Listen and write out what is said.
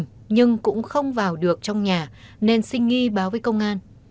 công an quận phú nhuận cũng không vào được trong nhà nên xin nghi báo với công an